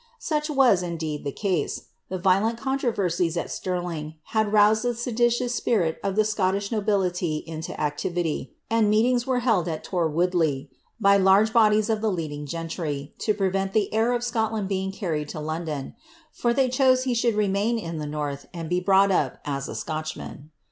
Such was, in deed, the case ; the violent controversies at Stirling had roused the sedi tious spirit of the Scottish nobility into activity, and meetings were held atTorwoodlee, by large bodies of the leadinff gentry, to prevent the heir of Scotland being carried to London ; for they chose he should remain in the north, and be brought up as a Scotchman.